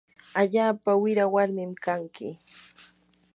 allaapa wira warmin kanki.